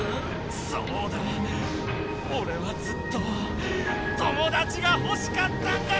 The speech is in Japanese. そうだおれはずっと友だちがほしかったんだ！